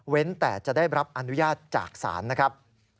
แต่จะได้รับอนุญาตจากศาลนะครับ